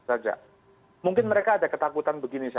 jadi saya kira ada ketakutan begini